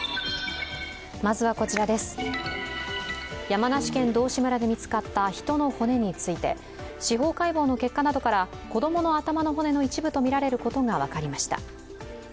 山梨県道志村で見つかった人の骨について司法解剖の結果などから子供の頭の骨の一部とみられることが分かりました。